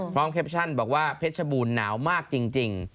พร้อมแคปชั่นบอกว่าเพชรบูลหนาวมากจริง